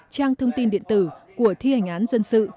trang thông tin điện tử của thi hành án dân sự